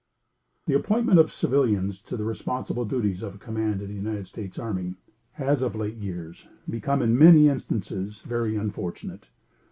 The appointment of civilians to the responsible duties of a command in the United States army has, of late years, become, in many instances, very unfortunate.